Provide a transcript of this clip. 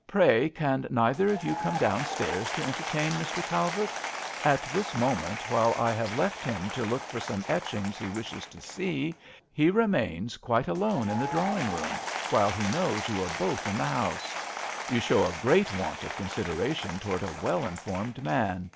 " Pray can neither of you come downstairs to entertain Mr. Cal vert ? At this moment, while I have left him to look for some etchings he wishes to see, he remains quite alone in the drawing room, while he knows you are both in the house. You show a great want of considera tion towards a well informed man.